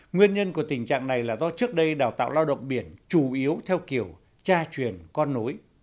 nguyên nhân của tình trạng này là do trước đây đào tạo lao động biển chủ yếu theo kiểu cha truyền con nối